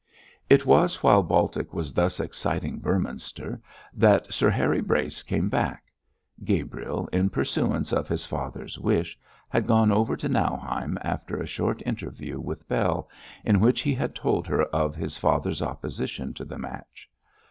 It was while Baltic was thus exciting Beorminster that Sir Harry Brace came back. Gabriel, in pursuance of his father's wish, had gone over to Nauheim after a short interview with Bell, in which he had told her of his father's opposition to the match.